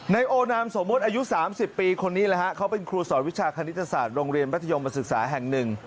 โอนามสมมุติอายุ๓๐ปีคนนี้แหละฮะเขาเป็นครูสอนวิชาคณิตศาสตร์โรงเรียนมัธยมศึกษาแห่งหนึ่ง